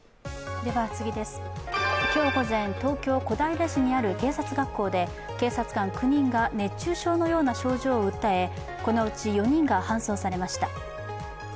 今日午前、東京・小平市にある警察学校で警察官９人が熱中症のような症状を訴え、このうち４人が搬送されました。